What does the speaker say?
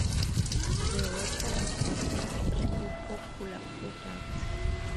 The water was an extremely popular product.